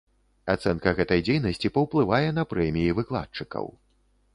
Ацэнка гэтай дзейнасці паўплывае на прэміі выкладчыкаў.